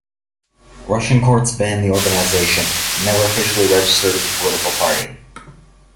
Russian courts banned the organization: it never officially registered as a political party.